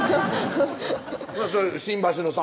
新橋のさ